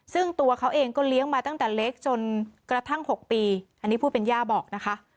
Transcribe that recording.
ซึ่งตัวเขาเองก็เลี้ยงมาตั้งแต่เล็กจนกระทั่ง๖ปีอันนี้ผู้เป็นย่าบอกนะคะ